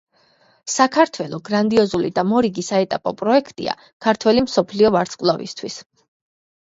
საქართველო – გრანდიოზული და მორიგი საეტაპო პროექტია ქართველი მსოფლიო ვარსკვლავისთვის.